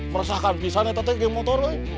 meresahkan pisang itu tadi gang motor